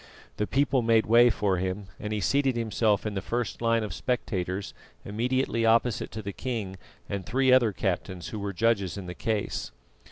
The people made way for him, and he seated himself in the first line of spectators immediately opposite to the king and three other captains who were judges in the case.